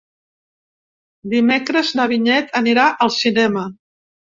Dimecres na Vinyet anirà al cinema.